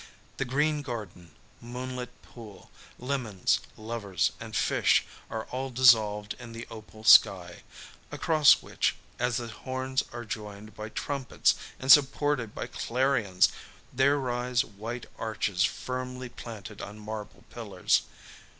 The green garden, moonlit pool, lemons, lovers, and fish are all dissolved in the opal sky, across which, as the horns are joined by trumpets and supported by clarions there rise white arches firmly planted on marble pillars....